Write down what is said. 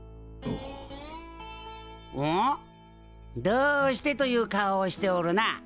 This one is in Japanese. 「どうして？」という顔をしておるな。